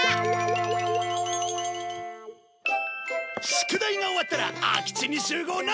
宿題が終わったら空き地に集合な！